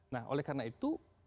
nah oleh karena itu